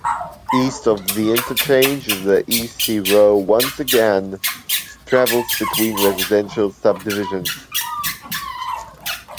East of the interchange, the E. C. Row once again travels between residential subdivisions.